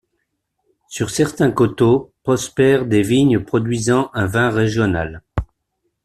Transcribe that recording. Sur certains coteaux prospèrent des vignes produisant un vin régional.